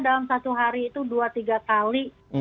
dalam satu hari itu dua tiga kali